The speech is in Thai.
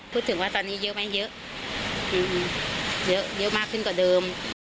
พูดถึงว่าตอนนี้เยอะไหมเยอะเยอะมากขึ้นกว่าเดิม